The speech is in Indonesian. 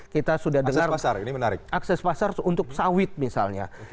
kita sudah dengar akses pasar untuk sawit misalnya